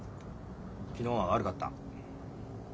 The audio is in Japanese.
昨日は悪かった。